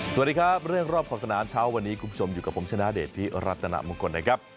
สวัสดีครับเรื่องรอบขอบสนามเช้าวันนี้คุณผู้ชมอยู่กับผมชนะเดชพิรัตนมงคลนะครับ